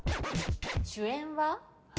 主演は？